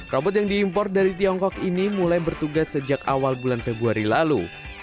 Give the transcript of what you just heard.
robot yang diimpor dari tiongkok ini mulai bertugas sejak awal bulan februari lalu